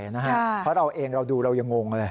เพราะเราเองเราดูเรายังงงเลย